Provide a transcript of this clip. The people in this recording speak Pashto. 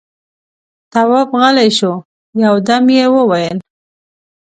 تواب غلی شو، يودم يې وويل: